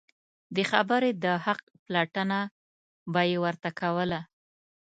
د خبرې د حق پلټنه به یې ورته کوله.